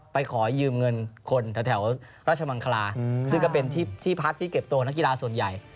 ขอยืมเงินคนแถวราชมังคลาซึ่งก็เป็นที่พักที่เก็บตัวนักกีฬาส่วนใหญ่